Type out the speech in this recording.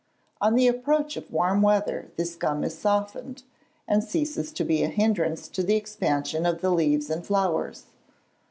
On the approach of warm weather this gum is softened, and ceases to be an hindrance to the expansion of the leaves and flowers.